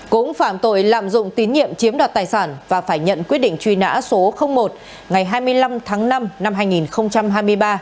cũng phạm tội lạm dụng tín nhiệm chiếm đoạt tài sản và phải nhận quyết định truy nã số một ngày hai mươi năm tháng năm năm hai nghìn hai mươi ba